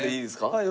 はい。